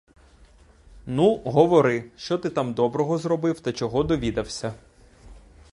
Ну, говори, що ти там доброго зробив та чого довідався?